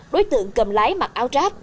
đối tượng cầm lái mặc áo tráp